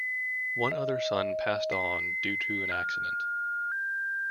One other son passed on due to an accident.